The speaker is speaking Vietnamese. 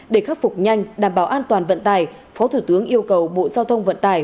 để khắc phục nhanh đảm bảo an toàn vận tải phó thủ tướng yêu cầu bộ giao thông vận tải